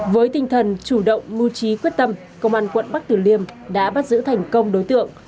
với tinh thần chủ động mưu trí quyết tâm công an quận bắc tử liêm đã bắt giữ thành công đối tượng